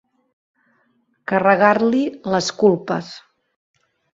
Carregar-li les culpes.